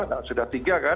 nah sudah tiga kan